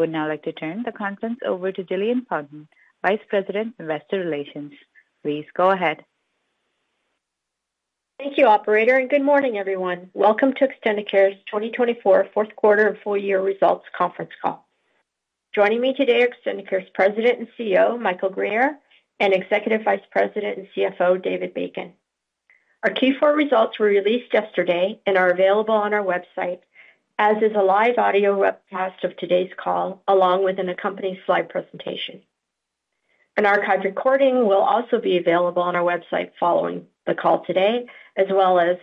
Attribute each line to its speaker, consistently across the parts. Speaker 1: I would now like to turn the conference over to Jillian Fountain, Vice President, Investor Relations. Please go ahead.
Speaker 2: Thank you, Operator, and good morning, everyone. Welcome to Extendicare's 2024 fourth quarter and full year results conference call. Joining me today are Extendicare's President and CEO, Michael Guerriere, and Executive Vice President and CFO, David Bacon. Our Q4 results were released yesterday and are available on our website, as is a live audio webcast of today's call, along with an accompanying slide presentation. An archived recording will also be available on our website following the call today, as well as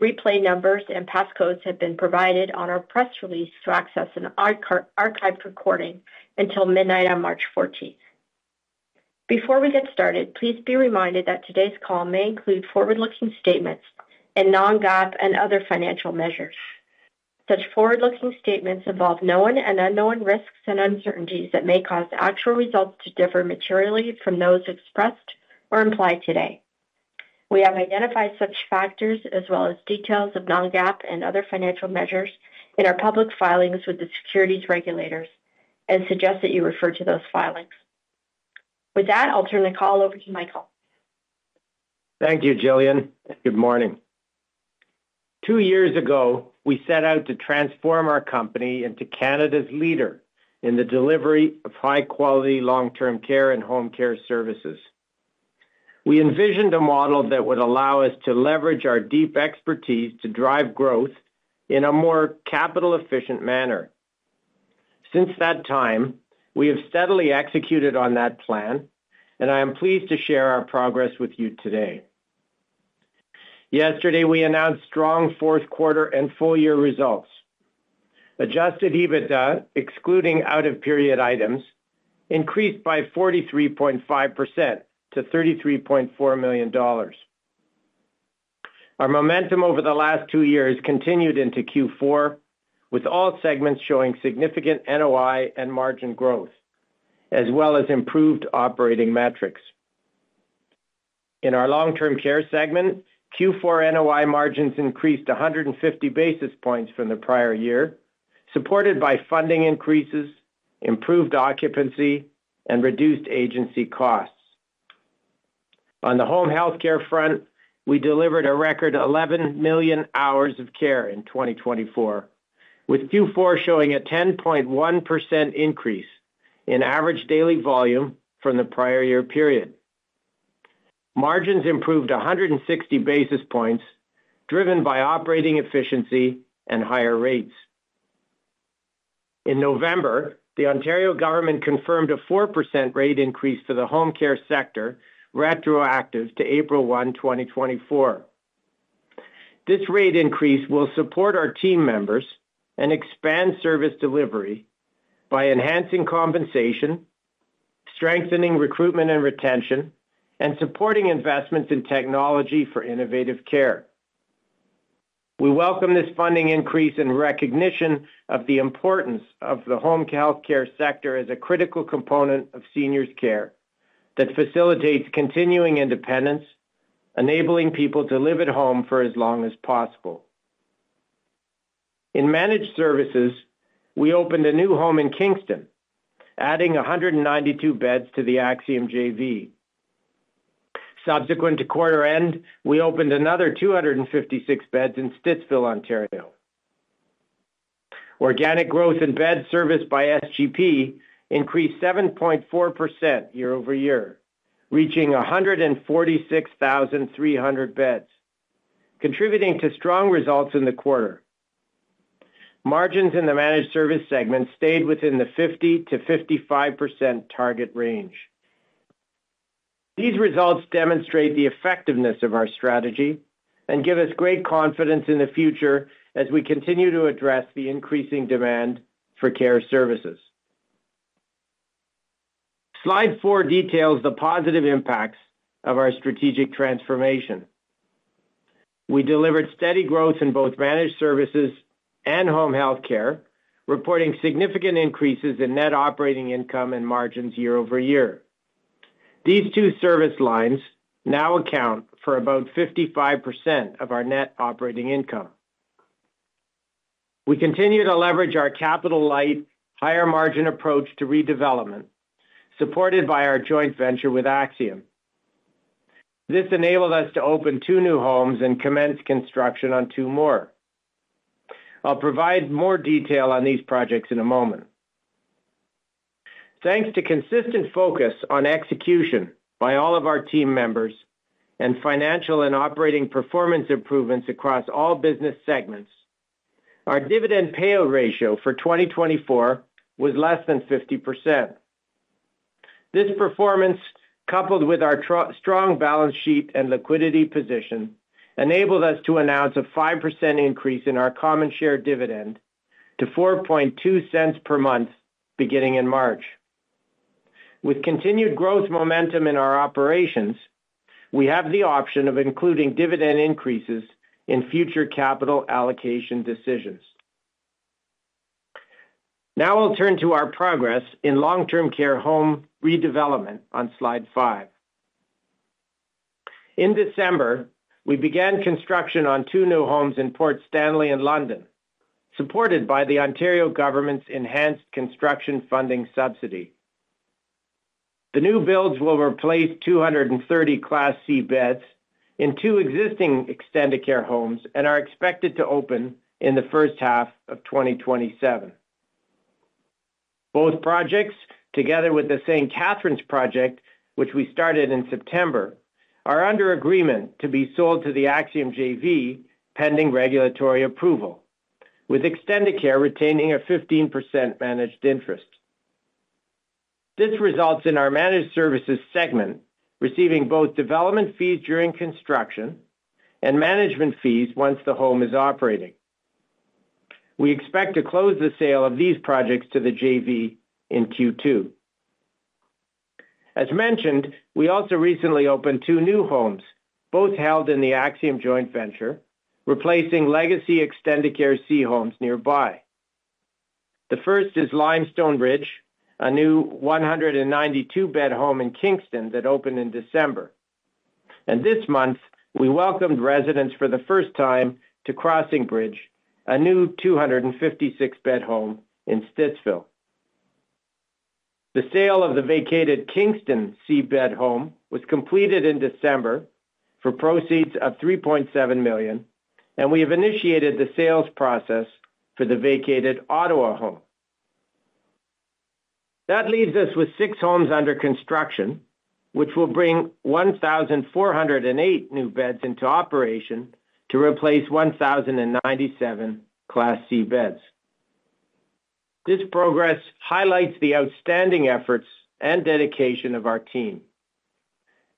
Speaker 2: replay numbers and passcodes that have been provided on our press release to access an archived recording until midnight on March 14th. Before we get started, please be reminded that today's call may include forward-looking statements and non-GAAP and other financial measures. Such forward-looking statements involve known and unknown risks and uncertainties that may cause actual results to differ materially from those expressed or implied today. We have identified such factors, as well as details of non-GAAP and other financial measures, in our public filings with the securities regulators and suggest that you refer to those filings. With that, I'll turn the call over to Michael.
Speaker 3: Thank you, Jillian. Good morning. Two years ago, we set out to transform our company into Canada's ParaMeder in the delivery of high-quality long-term care and home care services. We envisioned a model that would allow us to leverage our deep expertise to drive growth in a more capital-efficient manner. Since that time, we have steadily executed on that plan, and I am pleased to share our progress with you today. Yesterday, we announced strong fourth quarter and full year results. Adjusted EBITDA, excluding out-of-period items, increased by 43.5% to $33.4 million. Our momentum over the last two years continued into Q4, with all segments showing significant NOI and margin growth, as well as improved operating metrics. In our long-term care segment, Q4 NOI margins increased 150 basis points from the prior year, supported by funding increases, improved occupancy, and reduced agency costs. On the home healthcare front, we delivered a record 11 million hours of care in 2024, with Q4 showing a 10.1% increase in average daily volume from the prior year period. Margins improved 160 basis points, driven by operating efficiency and higher rates. In November, the Ontario government confirmed a 4% rate increase for the home care sector, retroactive to April 1, 2024. This rate increase will support our team members and expand service delivery by enhancing compensation, strengthening recruitment and retention, and supporting investments in technology for innovative care. We welcome this funding increase in recognition of the importance of the home healthcare sector as a critical component of seniors' care that facilitates continuing independence, enabling people to live at home for as long as possible. In managed services, we opened a new home in Kingston, adding 192 beds to the Axiom JV. Subsequent to quarter end, we opened another 256 beds in Stittsville, Ontario. Organic growth in bed service by SGP increased 7.4% year over year, reaching 146,300 beds, contributing to strong results in the quarter. Margins in the managed service segment stayed within the 50-55% target range. These results demonstrate the effectiveness of our strategy and give us great confidence in the future as we continue to address the increasing demand for care services. Slide 4 details the positive impacts of our strategic transformation. We delivered steady growth in both managed services and home health care, reporting significant increases in net operating income and margins year over year. These two service lines now account for about 55% of our net operating income. We continue to leverage our capital-light, higher-margin approach to redevelopment, supported by our joint venture with Axiom. This enabled us to open two new homes and commence construction on two more. I'll provide more detail on these projects in a moment. Thanks to consistent focus on execution by all of our team members and financial and operating performance improvements across all business segments, our dividend payout ratio for 2024 was less than 50%. This performance, coupled with our strong balance sheet and liquidity position, enabled us to announce a 5% increase in our common share dividend to $0.42 per month beginning in March. With continued growth momentum in our operations, we have the option of including dividend increases in future capital allocation decisions. Now I'll turn to our progress in long-term care home redevelopment on Slide 5. In December, we began construction on two new homes in Port Stanley and London, supported by the Ontario government's enhanced construction funding subsidy. The new builds will replace 230 Class C beds in two existing Extendicare homes and are expected to open in the first half of 2027. Both projects, together with the St. Catharines project, which we started in September, are under agreement to be sold to the Axiom JV pending regulatory approval, with Extendicare retaining a 15% managed interest. This results in our managed services segment receiving both development fees during construction and management fees once the home is operating. We expect to close the sale of these projects to the JV in Q2. As mentioned, we also recently opened two new homes, both held in the Axiom joint venture, replacing legacy Extendicare C homes nearby. The first is Limestone Ridge, a new 192-bed home in Kingston that opened in December. This month, we welcomed residents for the first time to Crossing Bridge, a new 256-bed home in Stittsville. The sale of the vacated Kingston C bed home was completed in December for $3.7 million, and we have initiated the sales process for the vacated Ottawa home. That leaves us with six homes under construction, which will bring 1,408 new beds into operation to replace 1,097 Class C beds. This progress highlights the outstanding efforts and dedication of our team.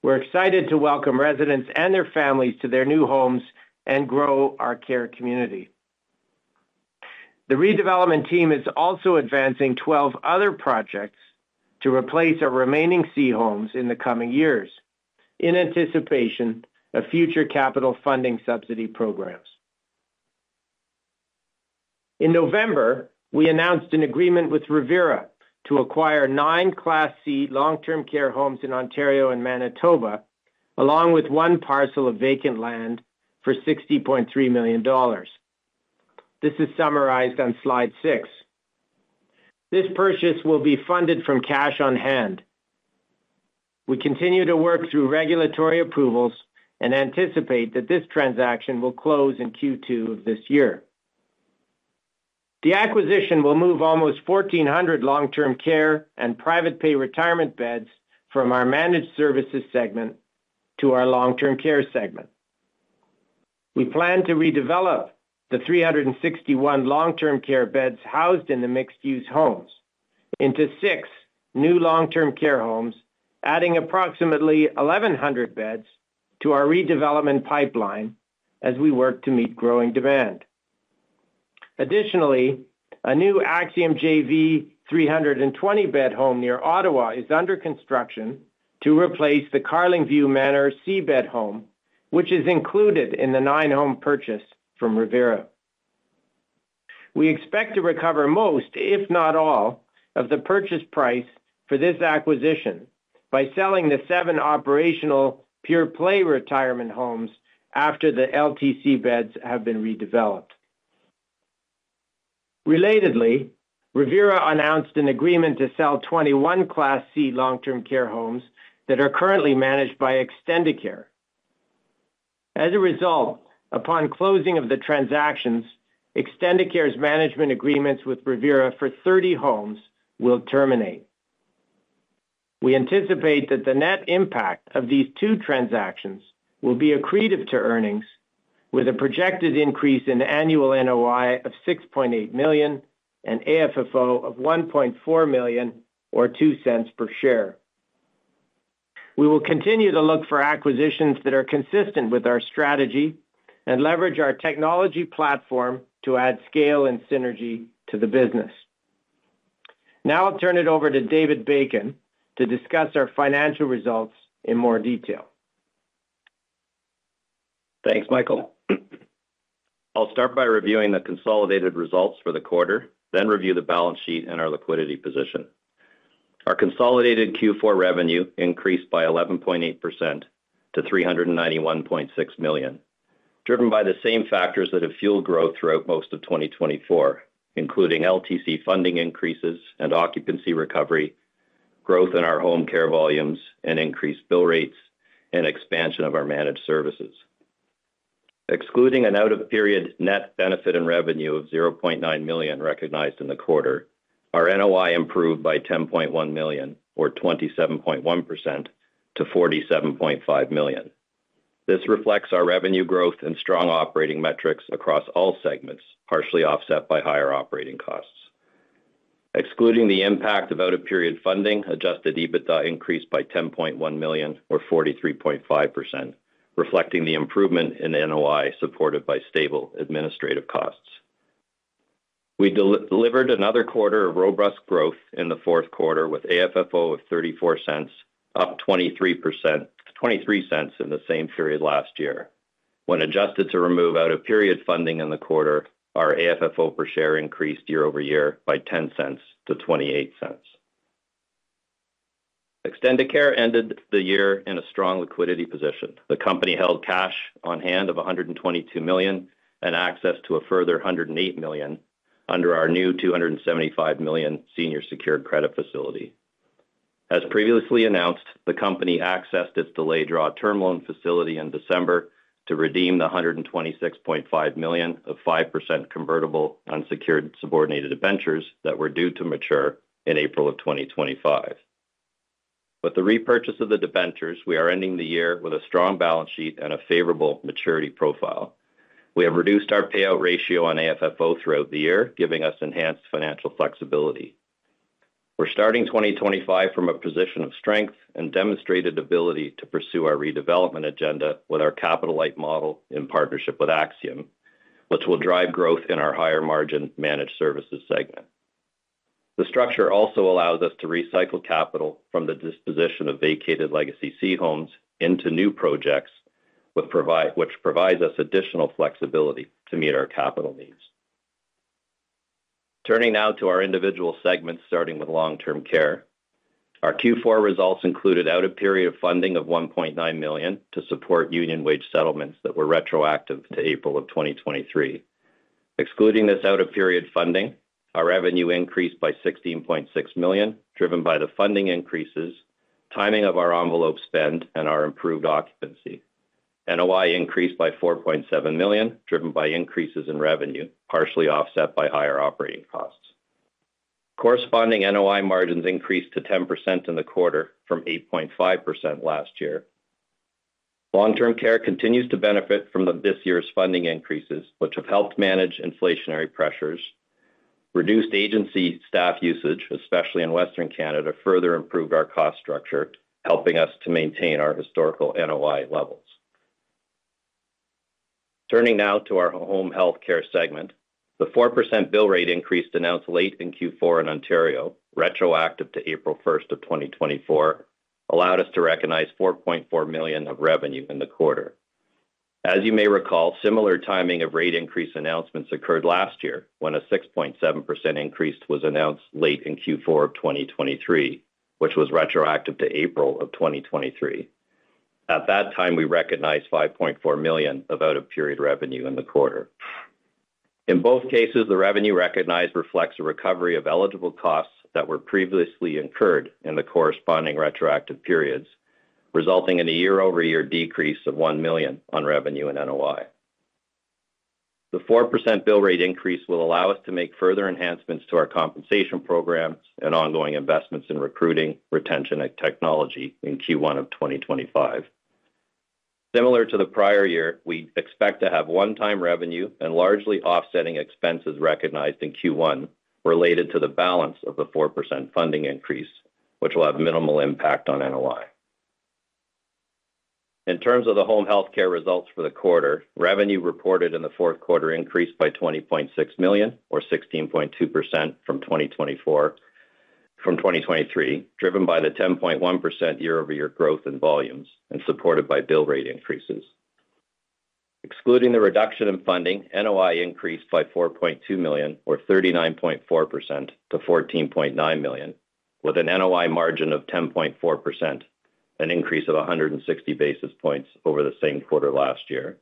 Speaker 3: We're excited to welcome residents and their families to their new homes and grow our care community. The redevelopment team is also advancing 12 other projects to replace our remaining C homes in the coming years in anticipation of future capital funding subsidy programs. In November, we announced an agreement with Revera to acquire nine Class C long-term care homes in Ontario and Manitoba, along with one parcel of vacant land for $60.3 million. This is summarized on Slide 6. This purchase will be funded from cash on hand. We continue to work through regulatory approvals and anticipate that this transaction will close in Q2 of this year. The acquisition will move almost 1,400 long-term care and private pay retirement beds from our managed services segment to our long-term care segment. We plan to redevelop the 361 long-term care beds housed in the mixed-use homes into six new long-term care homes, adding approximately 1,100 beds to our redevelopment pipeline as we work to meet growing demand. Additionally, a new Axiom JV 320-bed home near Ottawa is under construction to replace the Carlingview Manor C bed home, which is included in the nine-home purchase from Revera. We expect to recover most, if not all, of the purchase price for this acquisition by selling the seven operational pure play retirement homes after the LTC beds have been redeveloped. Relatedly, Revera announced an agreement to sell 21 Class C long-term care homes that are currently managed by Extendicare. As a result, upon closing of the transactions, Extendicare's management agreements with Revera for 30 homes will terminate. We anticipate that the net impact of these two transactions will be accretive to earnings, with a projected increase in annual NOI of $6.8 million and AFFO of $1.4 million, or $0.02 per share. We will continue to look for acquisitions that are consistent with our strategy and leverage our technology platform to add scale and synergy to the business. Now I'll turn it over to David Bacon to discuss our financial results in more detail.
Speaker 4: Thanks, Michael. I'll start by reviewing the consolidated results for the quarter, then review the balance sheet and our liquidity position. Our consolidated Q4 revenue increased by 11.8% to $391.6 million, driven by the same factors that have fueled growth throughout most of 2024, including LTC funding increases and occupancy recovery, growth in our home health care volumes, and increased bill rates and expansion of our managed services. Excluding an out-of-period net benefit in revenue of $0.9 million recognized in the quarter, our NOI improved by $10.1 million, or 27.1%, to $47.5 million. This reflects our revenue growth and strong operating metrics across all segments, partially offset by higher operating costs. Excluding the impact of out-of-period funding, adjusted EBITDA increased by $10.1 million, or 43.5%, reflecting the improvement in NOI supported by stable administrative costs. We delivered another quarter of robust growth in the fourth quarter with AFFO of $0.34, up $0.23 in the same period last year. When adjusted to remove out-of-period funding in the quarter, our AFFO per share increased year over year by $0.10-$0.28. Extendicare ended the year in a strong liquidity position. The company held cash on hand of $122 million and access to a further $108 million under our new $275 million senior secured credit facility. As previously announced, the company accessed its delayed draw term loan facility in December to redeem the $126.5 million of 5% convertible unsecured subordinated debentures that were due to mature in April of 2025. With the repurchase of the debentures, we are ending the year with a strong balance sheet and a favorable maturity profile. We have reduced our payout ratio on AFFO throughout the year, giving us enhanced financial flexibility. We're starting 2025 from a position of strength and demonstrated ability to pursue our redevelopment agenda with our capital-light model in partnership with Axiom, which will drive growth in our higher-margin managed services segment. The structure also allows us to recycle capital from the disposition of vacated legacy C homes into new projects, which provides us additional flexibility to meet our capital needs. Turning now to our individual segments, starting with long-term care. Our Q4 results included out-of-period funding of $1.9 million to support union wage settlements that were retroactive to April of 2023. Excluding this out-of-period funding, our revenue increased by $16.6 million, driven by the funding increases, timing of our envelope spend, and our improved occupancy. NOI increased by $4.7 million, driven by increases in revenue, partially offset by higher operating costs. Corresponding NOI margins increased to 10% in the quarter from 8.5% last year. Long-term care continues to benefit from this year's funding increases, which have helped manage inflationary pressures. Reduced agency staff usage, especially in Western Canada, further improved our cost structure, helping us to maintain our historical NOI levels. Turning now to our home health care segment, the 4% bill rate increase announced late in Q4 in Ontario, retroactive to April 1, 2024, allowed us to recognize $4.4 million of revenue in the quarter. As you may recall, similar timing of rate increase announcements occurred last year when a 6.7% increase was announced late in Q4 of 2023, which was retroactive to April of 2023. At that time, we recognized $5.4 million of out-of-period revenue in the quarter In both cases, the revenue recognized reflects a recovery of eligible costs that were previously incurred in the corresponding retroactive periods, resulting in a year-over-year decrease of $1 million on revenue in NOI. The 4% bill rate increase will allow us to make further enhancements to our compensation programs and ongoing investments in recruiting, retention, and technology in Q1 of 2025. Similar to the prior year, we expect to have one-time revenue and largely offsetting expenses recognized in Q1 related to the balance of the 4% funding increase, which will have minimal impact on NOI. In terms of the home healthcare results for the quarter, revenue reported in the fourth quarter increased by $20.6 million, or 16.2%, from 2023, driven by the 10.1% year-over-year growth in volumes and supported by bill rate increases. Excluding the reduction in funding, NOI increased by $4.2 million, or 39.4%, to $14.9 million, with an NOI margin of 10.4%, an increase of 160 basis points over the same quarter last year.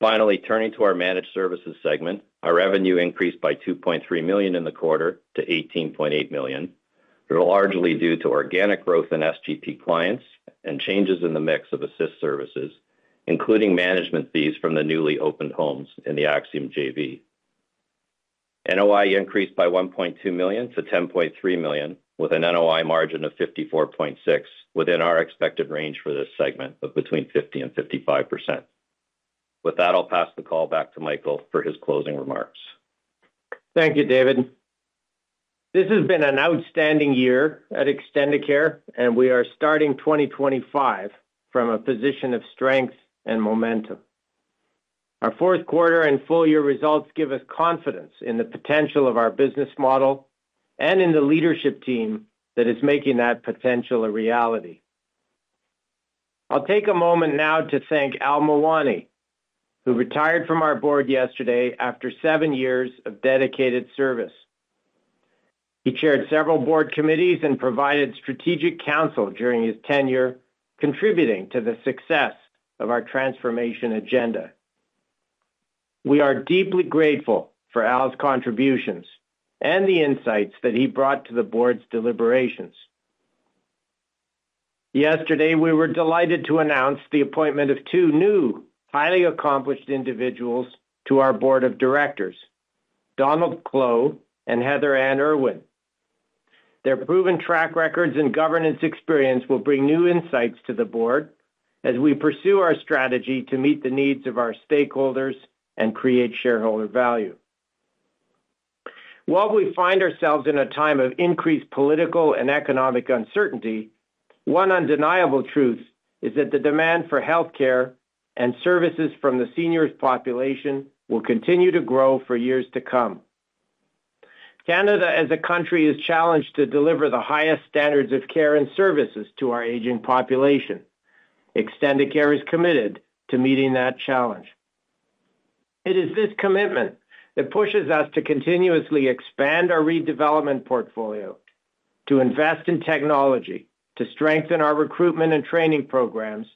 Speaker 4: Finally, turning to our managed services segment, our revenue increased by $2.3 million in the quarter to $18.8 million, largely due to organic growth in SGP clients and changes in the mix of assist services, including management fees from the newly opened homes in the Axiom JV. NOI increased by $1.2 million-$10.3 million, with an NOI margin of 54.6%, within our expected range for this segment of between 50-55%. With that, I'll pass the call back to Michael for his closing remarks.
Speaker 3: Thank you, David. This has been an outstanding year at Extendicare, and we are starting 2025 from a position of strength and momentum. Our fourth quarter and full year results give us confidence in the potential of our business model and in the Leadership team that is making that potential a reality. I'll take a moment now to thank Al Mawani, who retired from our board yesterday after seven years of dedicated service. He chaired several board committees and provided strategic counsel during his tenure, contributing to the success of our transformation agenda. We are deeply grateful for Al's contributions and the insights that he brought to the board's deliberations. Yesterday, we were delighted to announce the appointment of two new, highly accomplished individuals to our board of directors, Donald Clow and Heather Ann Irwin. Their proven track records and governance experience will bring new insights to the board as we pursue our strategy to meet the needs of our stakeholders and create shareholder value. While we find ourselves in a time of increased political and economic uncertainty, one undeniable truth is that the demand for healthcare and services from the senior population will continue to grow for years to come. Canada, as a country, is challenged to deliver the highest standards of care and services to our aging population. Extendicare is committed to meeting that challenge. It is this commitment that pushes us to continuously expand our redevelopment portfolio, to invest in technology, to strengthen our recruitment and training programs,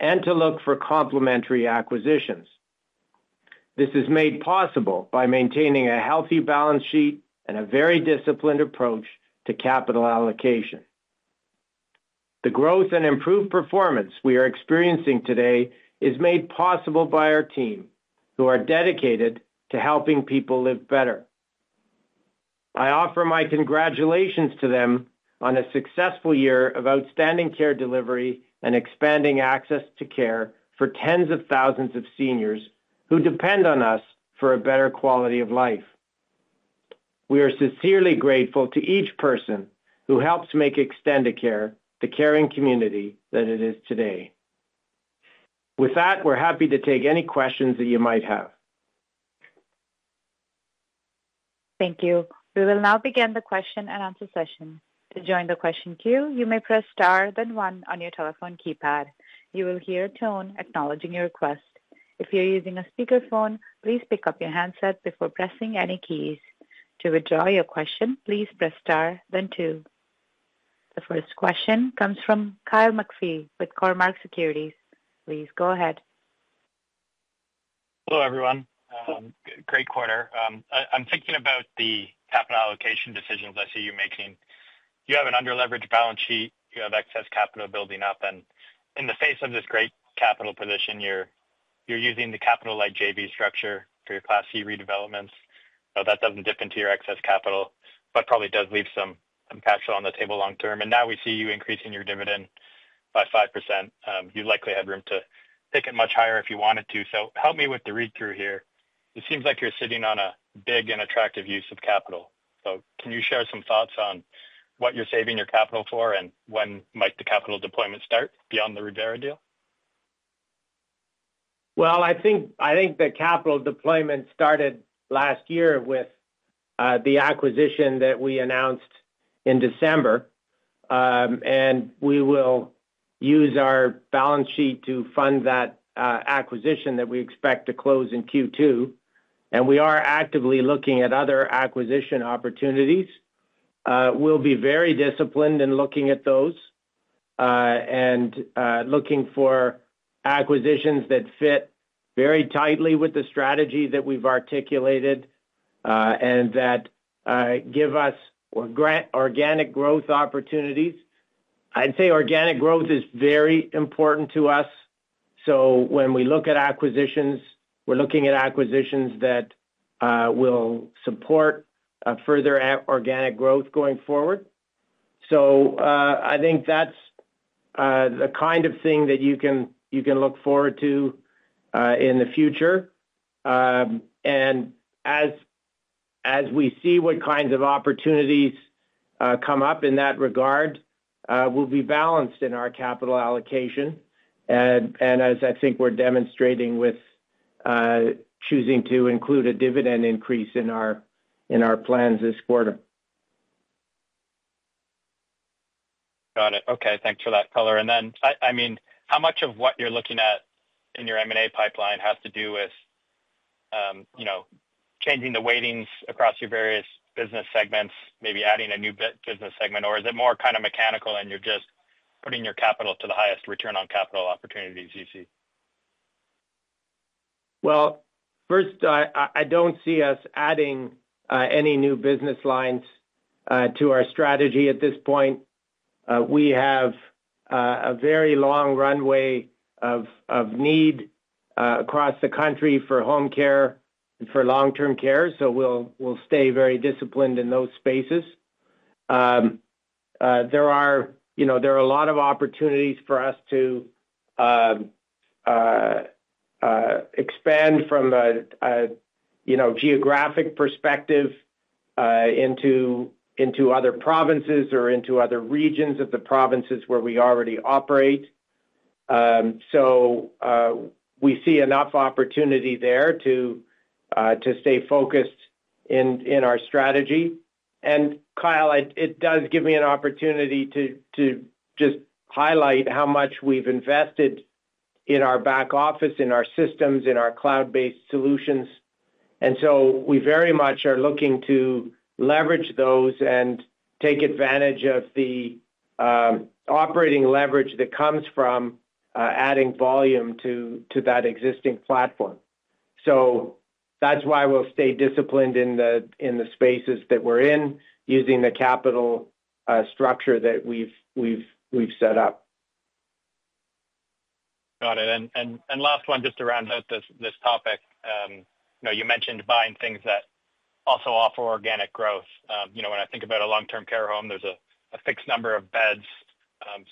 Speaker 3: and to look for complementary acquisitions. This is made possible by maintaining a healthy balance sheet and a very disciplined approach to capital allocation. The growth and improved performance we are experiencing today is made possible by our team, who are dedicated to helping people live better. I offer my congratulations to them on a successful year of outstanding care delivery and expanding access to care for tens of thousands of seniors who depend on us for a better quality of life. We are sincerely grateful to each person who helps make Extendicare the caring community that it is today. With that, we're happy to take any questions that you might have.
Speaker 1: Thank you. We will now begin the question and answer session. To join the question queue, you may press star then one on your telephone keypad. You will hear a tone acknowledging your request. If you're using a speakerphone, please pick up your handset before pressing any keys. To withdraw your question, please press star then two. The first question comes from Kyle McPhee with Cormark Securities. Please go ahead.
Speaker 4: Hello, everyone. Great quarter. I'm thinking about the capital allocation decisions I see you making. You have an under-leveraged balance sheet. You have excess capital building up. In the face of this great capital position, you're using the capital-light JV structure for your Class C redevelopments. That doesn't dip into your excess capital, but probably does leave some cash on the table long-term. Now we see you increasing your dividend by 5%. You likely had room to take it much higher if you wanted to. Help me with the read-through here. It seems like you're sitting on a big and attractive use of capital. Can you share some thoughts on what you're saving your capital for and when might the capital deployment start beyond the Revera deal?
Speaker 3: I think the capital deployment started last year with the acquisition that we announced in December. We will use our balance sheet to fund that acquisition that we expect to close in Q2. We are actively looking at other acquisition opportunities. We'll be very disciplined in looking at those and looking for acquisitions that fit very tightly with the strategy that we've articulated and that give us organic growth opportunities. I'd say organic growth is very important to us. When we look at acquisitions, we're looking at acquisitions that will support further organic growth going forward. I think that's the kind of thing that you can look forward to in the future. As we see what kinds of opportunities come up in that regard, we'll be balanced in our capital allocation. I think we're demonstrating with choosing to include a dividend increase in our plans this quarter.
Speaker 5: Got it. Okay. Thanks for that, Color. I mean, how much of what you're looking at in your M&A pipeline has to do with changing the weightings across your various business segments, maybe adding a new business segment? Or is it more kind of mechanical and you're just putting your capital to the highest return on capital opportunities you see?
Speaker 3: I don't see us adding any new business lines to our strategy at this point. We have a very long runway of need across the country for home care and for long-term care. We will stay very disciplined in those spaces. There are a lot of opportunities for us to expand from a geographic perspective into other provinces or into other regions of the provinces where we already operate. We see enough opportunity there to stay focused in our strategy. Kyle, it does give me an opportunity to just highlight how much we've invested in our back office, in our systems, in our cloud-based solutions. We very much are looking to leverage those and take advantage of the operating leverage that comes from adding volume to that existing platform. That is why we'll stay disciplined in the spaces that we're in, using the capital structure that we've set up.
Speaker 5: Got it. Last one, just to round out this topic, you mentioned buying things that also offer organic growth. When I think about a long-term care home, there's a fixed number of beds.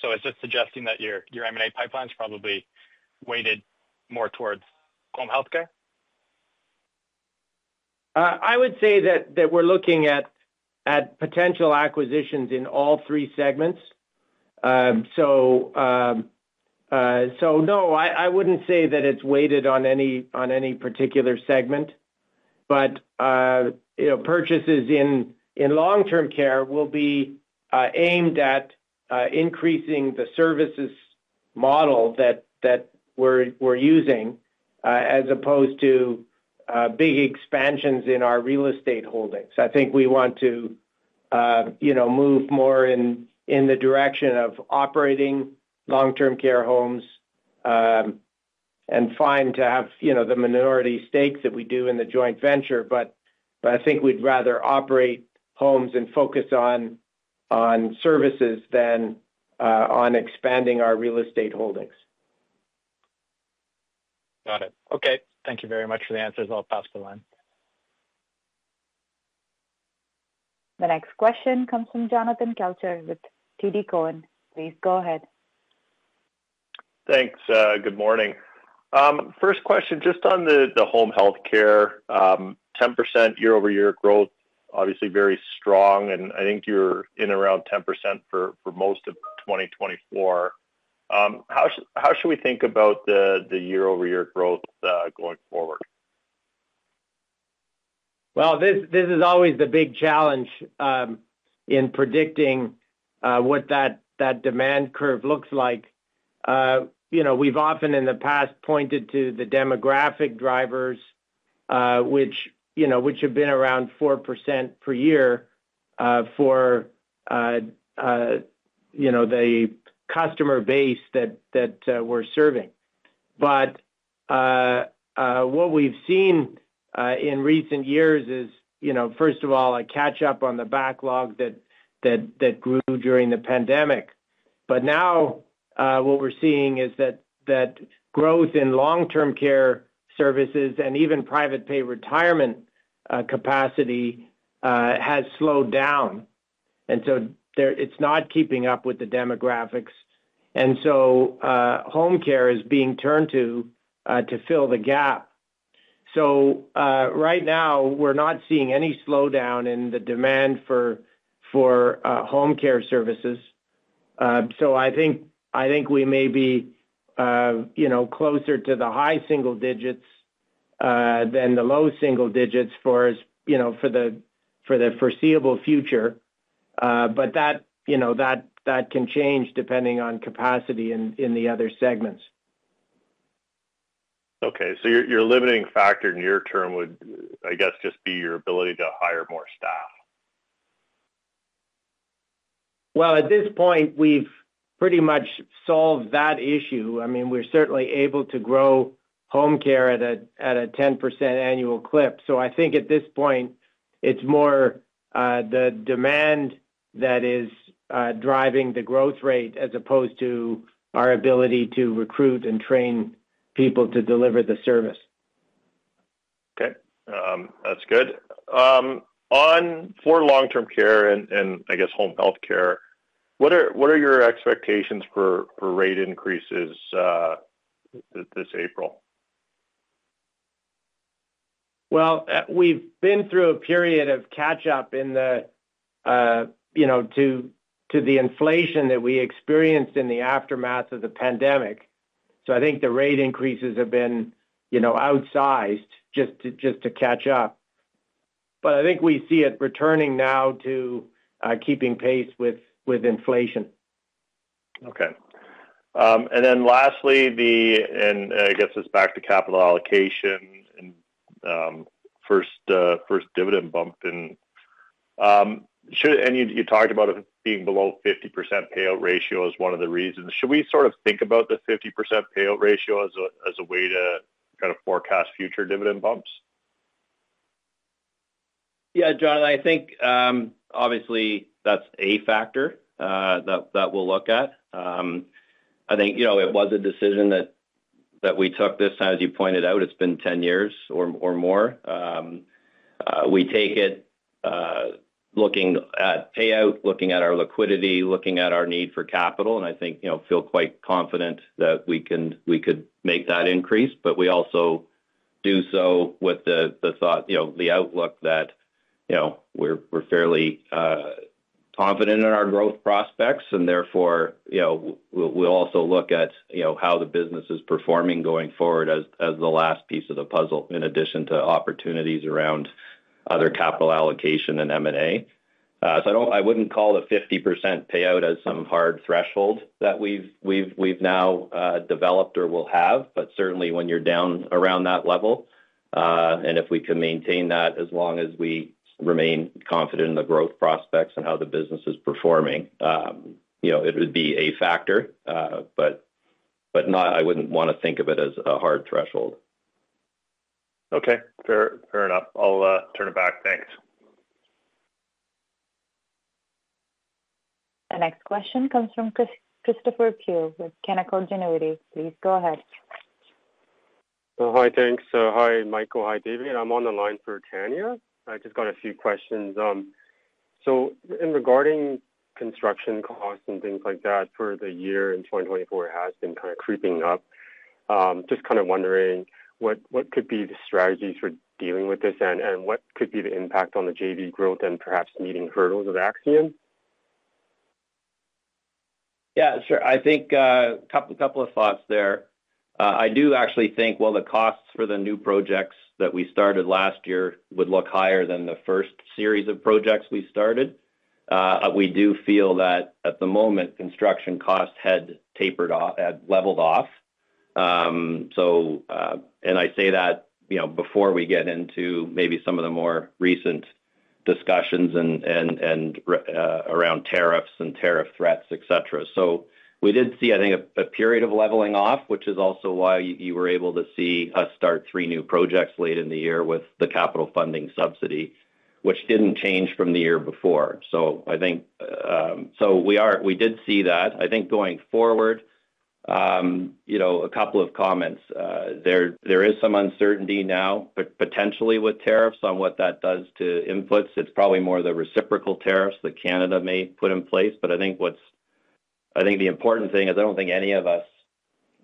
Speaker 5: Is this suggesting that your M&A pipeline is probably weighted more towards home health care?
Speaker 3: I would say that we're looking at potential acquisitions in all three segments. No, I wouldn't say that it's weighted on any particular segment. Purchases in long-term care will be aimed at increasing the services model that we're using as opposed to big expansions in our real estate holdings. I think we want to move more in the direction of operating long-term care homes and find to have the minority stake that we do in the joint venture. I think we'd rather operate homes and focus on services than on expanding our real estate holdings.
Speaker 5: Got it. Okay. Thank you very much for the answers. I'll pass the line.
Speaker 1: The next question comes from Jonathan Kelcher with TD Securities. Please go ahead.
Speaker 6: Thanks. Good morning. First question, just on the home health care, 10% year-over-year growth, obviously very strong. I think you're in around 10% for most of 2024. How should we think about the year-over-year growth going forward?
Speaker 3: This is always the big challenge in predicting what that demand curve looks like. We've often in the past pointed to the demographic drivers, which have been around 4% per year for the customer base that we're serving. What we've seen in recent years is, first of all, a catch-up on the backlog that grew during the pandemic. Now what we're seeing is that growth in long-term care services and even private-pay retirement capacity has slowed down. It is not keeping up with the demographics. Home care is being turned to fill the gap. Right now, we're not seeing any slowdown in the demand for home care services. I think we may be closer to the high single digits than the low single digits for the foreseeable future. That can change depending on capacity in the other segments.
Speaker 6: Okay. Your limiting factor near-term would, I guess, just be your ability to hire more staff.
Speaker 3: At this point, we've pretty much solved that issue. I mean, we're certainly able to grow home care at a 10% annual clip. I think at this point, it's more the demand that is driving the growth rate as opposed to our ability to recruit and train people to deliver the service.
Speaker 6: Okay. That's good. For long-term care and, I guess, home health care, what are your expectations for rate increases this April?
Speaker 3: We've been through a period of catch-up to the inflation that we experienced in the aftermath of the pandemic. I think the rate increases have been outsized just to catch up. I think we see it returning now to keeping pace with inflation.
Speaker 6: Okay. Lastly, I guess it is back to capital allocation and first dividend bump. You talked about it being below 50% payout ratio as one of the reasons. Should we sort of think about the 50% payout ratio as a way to kind of forecast future dividend bumps?
Speaker 3: Yeah, John, I think obviously that's a factor that we'll look at. I think it was a decision that we took this time, as you pointed out. It's been 10 years or more. We take it looking at payout, looking at our liquidity, looking at our need for capital. I think feel quite confident that we could make that increase. We also do so with the thought, the outlook that we're fairly confident in our growth prospects. Therefore, we'll also look at how the business is performing going forward as the last piece of the puzzle in addition to opportunities around other capital allocation and M&A. I wouldn't call the 50% payout as some hard threshold that we've now developed or will have. Certainly, when you're down around that level, and if we can maintain that as long as we remain confident in the growth prospects and how the business is performing, it would be a factor. I wouldn't want to think of it as a hard threshold.
Speaker 6: Okay. Fair enough. I'll turn it back. Thanks.
Speaker 1: The next question comes from Christopher Pugh with Canaccord Genuity. Please go ahead.
Speaker 7: Hi, thanks. Hi, Michael. Hi, David. I'm on the line for Tanya. I just got a few questions. In regarding construction costs and things like that for the year in 2024, it has been kind of creeping up. Just kind of wondering what could be the strategies for dealing with this and what could be the impact on the JV growth and perhaps meeting hurdles of Axiom?
Speaker 3: Yeah, sure. I think a couple of thoughts there. I do actually think, well, the costs for the new projects that we started last year would look higher than the first series of projects we started. We do feel that at the moment, construction costs had leveled off. I say that before we get into maybe some of the more recent discussions around tariffs and tariff threats, etc. We did see, I think, a period of leveling off, which is also why you were able to see us start three new projects late in the year with the capital funding subsidy, which did not change from the year before. I think we did see that. I think going forward, a couple of comments. There is some uncertainty now, potentially with tariffs on what that does to inputs. It's probably more the reciprocal tariffs that Canada may put in place. I think the important thing is I don't think any of us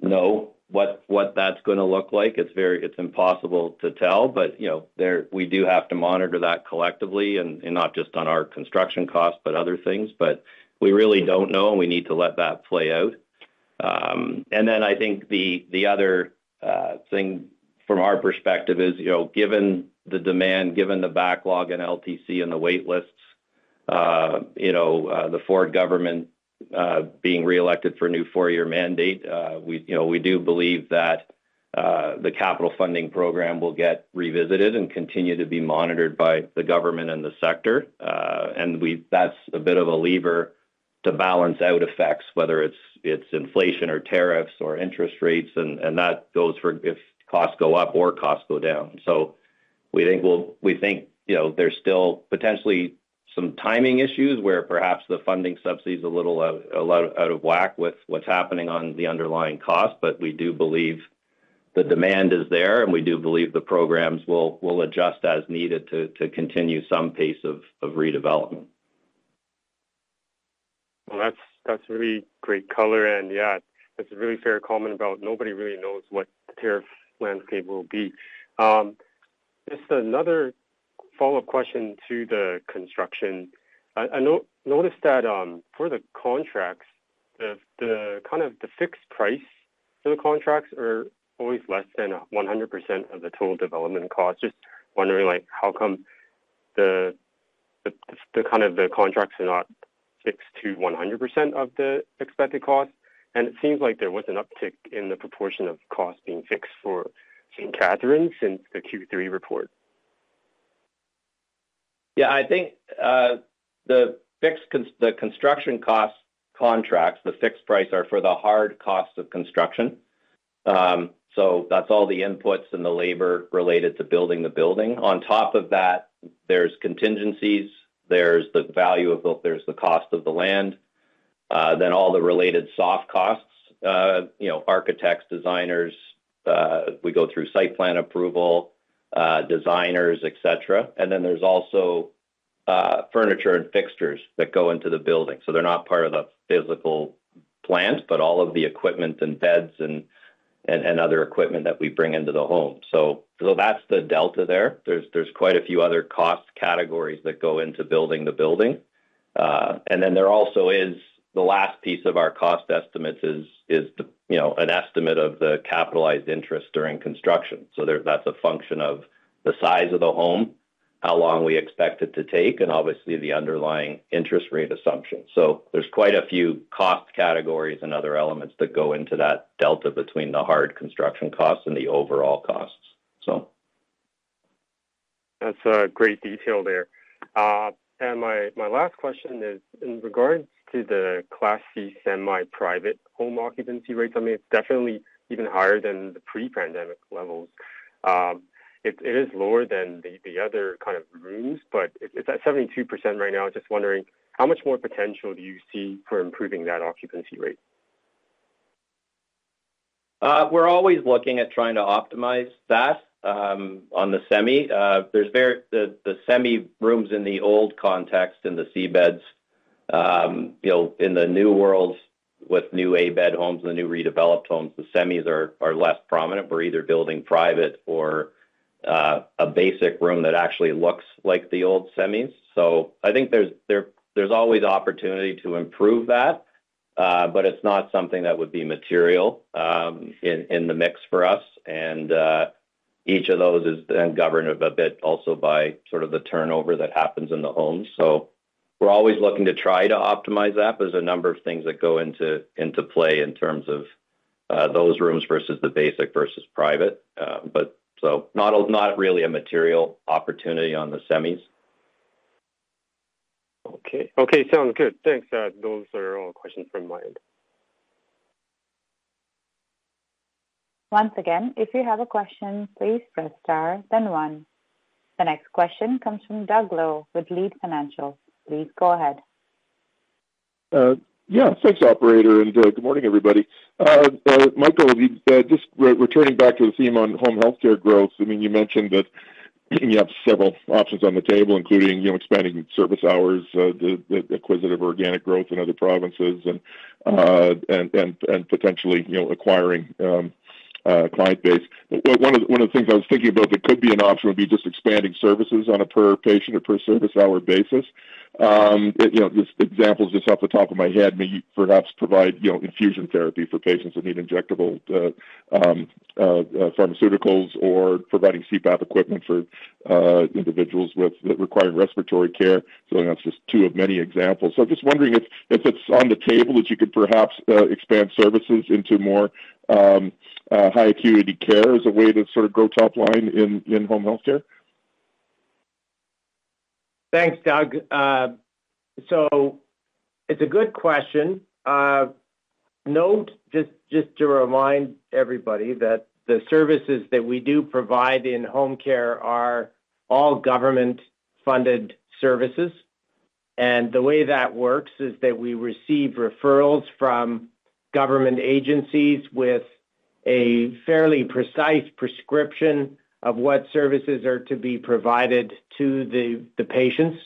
Speaker 3: know what that's going to look like. It's impossible to tell. We do have to monitor that collectively and not just on our construction costs, but other things. We really don't know. We need to let that play out. I think the other thing from our perspective is given the demand, given the backlog in LTC and the waitlists, the Ford government being reelected for a new four-year mandate, we do believe that the capital funding program will get revisited and continue to be monitored by the government and the sector. That's a bit of a lever to balance out effects, whether it's inflation or tariffs or interest rates. That goes for if costs go up or costs go down. We think there's still potentially some timing issues where perhaps the funding subsidy is a little out of whack with what's happening on the underlying cost. We do believe the demand is there. We do believe the programs will adjust as needed to continue some pace of redevelopment.
Speaker 7: That's really great, Color. Yeah, that's a really fair comment about nobody really knows what the tariff landscape will be. Just another follow-up question to the construction. I noticed that for the contracts, the kind of the fixed price for the contracts are always less than 100% of the total development cost. Just wondering how come the kind of the contracts are not fixed to 100% of the expected cost. It seems like there was an uptick in the proportion of costs being fixed for St. Catharines since the Q3 report.
Speaker 3: Yeah, I think the construction cost contracts, the fixed price are for the hard costs of construction. That is all the inputs and the labor related to building the building. On top of that, there are contingencies. There is the value of both. There is the cost of the land, then all the related soft costs, architects, designers. We go through site plan approval, designers, etc. There is also furniture and fixtures that go into the building. They are not part of the physical plant, but all of the equipment and beds and other equipment that we bring into the home. That is the delta there. There are quite a few other cost categories that go into building the building. There also is the last piece of our cost estimates, which is an estimate of the capitalized interest during construction. That is a function of the size of the home, how long we expect it to take, and obviously the underlying interest rate assumption. There are quite a few cost categories and other elements that go into that delta between the hard construction costs and the overall costs.
Speaker 7: That's a great detail there. My last question is in regards to the Class C semi-private home occupancy rates. I mean, it's definitely even higher than the pre-pandemic levels. It is lower than the other kind of rooms, but it's at 72% right now. Just wondering how much more potential do you see for improving that occupancy rate?
Speaker 3: We're always looking at trying to optimize that on the semi. The semi rooms in the old context and the C beds in the new world with new A-bed homes and the new redeveloped homes, the semis are less prominent. We're either building private or a basic room that actually looks like the old semis. I think there's always opportunity to improve that, but it's not something that would be material in the mix for us. Each of those is then governed a bit also by sort of the turnover that happens in the homes. We're always looking to try to optimize that. There's a number of things that go into play in terms of those rooms versus the basic versus private. Not really a material opportunity on the semis.
Speaker 7: Okay. Okay. Sounds good. Thanks. Those are all the questions from my end.
Speaker 1: Once again, if you have a question, please press star, then one. The next question comes from Doug Lowe with Leede Financial. Please go ahead.
Speaker 8: Yeah. Thanks, operator. Good morning, everybody. Michael, just returning back to the theme on home healthcare growth, I mean, you mentioned that you have several options on the table, including expanding service hours, the acquisitive organic growth in other provinces, and potentially acquiring client base. One of the things I was thinking about that could be an option would be just expanding services on a per patient or per service hour basis. Just examples just off the top of my head, maybe perhaps provide infusion therapy for patients that need injectable pharmaceuticals or providing CPAP equipment for individuals that require respiratory care. That is just two of many examples. I am just wondering if it is on the table that you could perhaps expand services into more high acuity care as a way to sort of grow top line in home healthcare.
Speaker 3: Thanks, Doug. It's a good question. Just to remind everybody that the services that we do provide in home care are all government-funded services. The way that works is that we receive referrals from government agencies with a fairly precise prescription of what services are to be provided to the patients.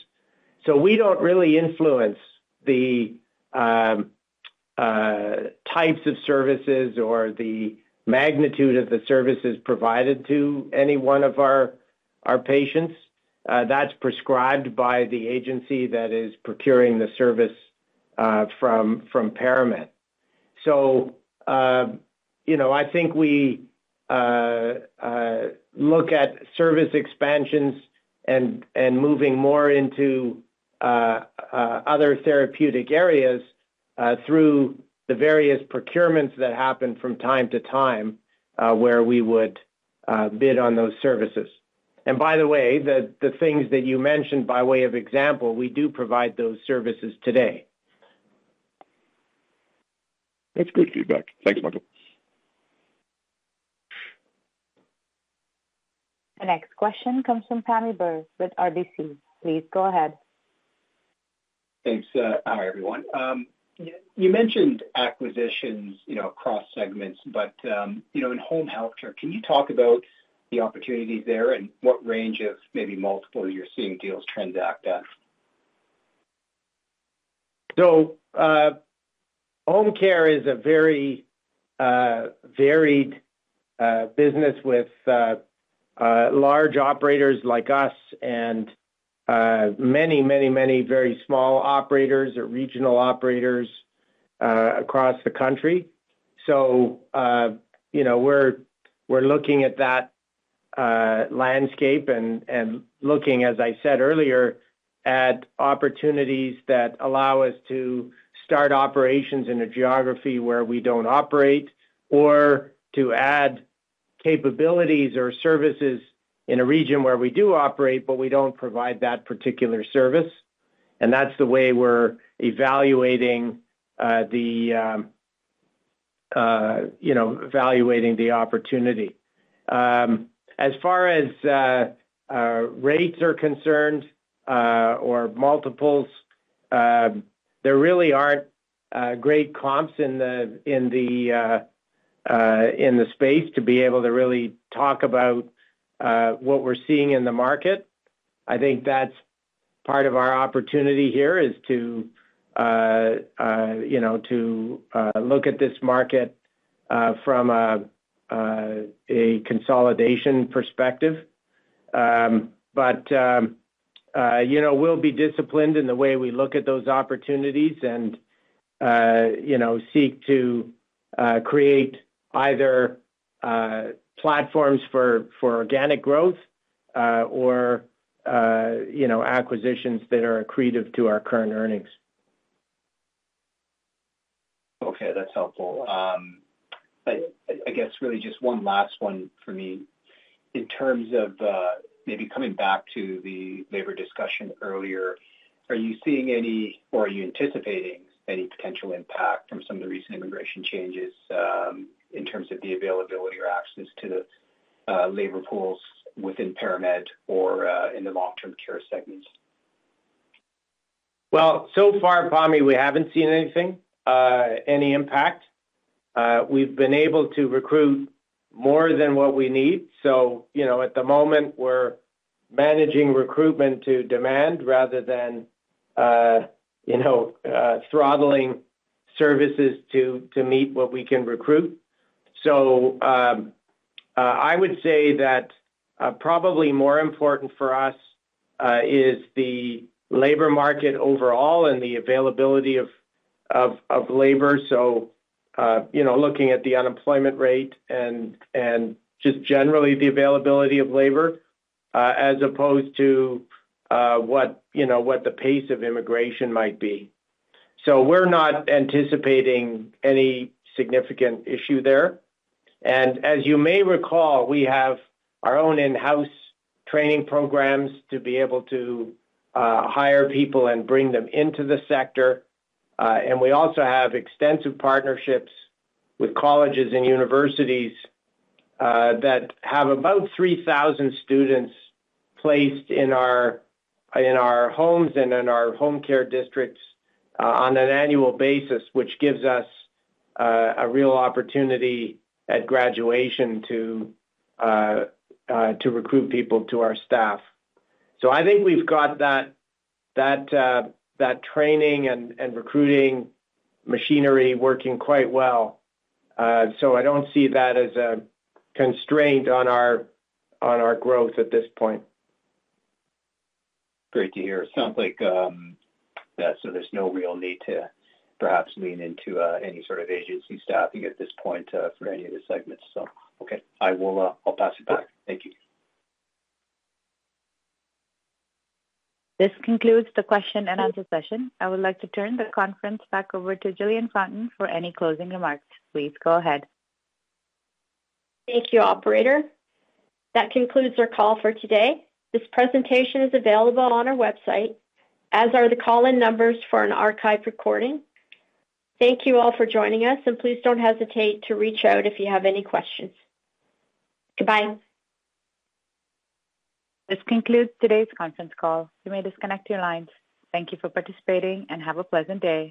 Speaker 3: We don't really influence the types of services or the magnitude of the services provided to any one of our patients. That's prescribed by the agency that is procuring the service from ParaMed. I think we look at service expansions and moving more into other therapeutic areas through the various procurements that happen from time to time where we would bid on those services. By the way, the things that you mentioned by way of example, we do provide those services today.
Speaker 8: That's good feedback. Thanks, Michael.
Speaker 1: The next question comes from Tommy Burke with RBC. Please go ahead.
Speaker 9: Thanks. Hi, everyone. You mentioned acquisitions across segments, but in home health care, can you talk about the opportunities there and what range of maybe multiple you're seeing deals transact at?
Speaker 3: Home care is a very varied business with large operators like us and many, many, many very small operators or regional operators across the country. We are looking at that landscape and looking, as I said earlier, at opportunities that allow us to start operations in a geography where we do not operate or to add capabilities or services in a region where we do operate, but we do not provide that particular service. That is the way we are evaluating the opportunity. As far as rates are concerned or multiples, there really are not great comps in the space to be able to really talk about what we are seeing in the market. I think that is part of our opportunity here, to look at this market from a consolidation perspective. We will be disciplined in the way we look at those opportunities and seek to create either platforms for organic growth or acquisitions that are accretive to our current earnings.
Speaker 9: Okay. That's helpful. I guess really just one last one for me. In terms of maybe coming back to the labor discussion earlier, are you seeing any or are you anticipating any potential impact from some of the recent immigration changes in terms of the availability or access to the labor pools within ParaMed or in the long-term care segments?
Speaker 3: So far, Tommy, we haven't seen anything, any impact. We've been able to recruit more than what we need. At the moment, we're managing recruitment to demand rather than throttling services to meet what we can recruit. I would say that probably more important for us is the labor market overall and the availability of labor. Looking at the unemployment rate and just generally the availability of labor as opposed to what the pace of immigration might be. We're not anticipating any significant issue there. As you may recall, we have our own in-house training programs to be able to hire people and bring them into the sector. We also have extensive partnerships with colleges and universities that have about 3,000 students placed in our homes and in our home care districts on an annual basis, which gives us a real opportunity at graduation to recruit people to our staff. I think we've got that training and recruiting machinery working quite well. I do not see that as a constraint on our growth at this point.
Speaker 9: Great to hear. Sounds like there is no real need to perhaps lean into any sort of agency staffing at this point for any of the segments. Okay. I'll pass it back. Thank you.
Speaker 1: This concludes the question and answer session. I would like to turn the conference back over to Jillian Fountain for any closing remarks. Please go ahead.
Speaker 2: Thank you, operator. That concludes our call for today. This presentation is available on our website, as are the call-in numbers for an archived recording. Thank you all for joining us, and please do not hesitate to reach out if you have any questions. Goodbye.
Speaker 1: This concludes today's conference call. You may disconnect your lines. Thank you for participating and have a pleasant day.